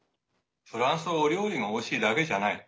フランスはお料理がおいしいだけじゃない。